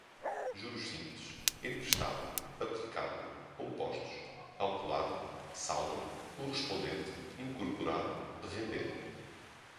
juros simples, emprestado, aplicado, compostos, calculado, saldo, correspondente, incorporado, render